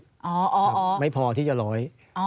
ครับไม่พอที่จะร้อย